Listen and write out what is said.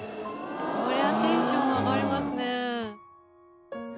これはテンション上がりますね。